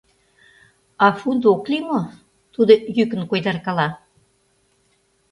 — А фундо ок лий мо? — тудо йӱкан койдаркала.